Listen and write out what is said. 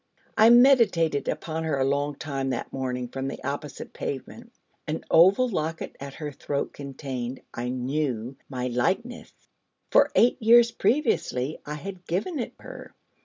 I meditated upon her a long time that morning from the opposite pavement. An oval locket at her throat contained, I knew, my likeness: for eight years previously I had given it her.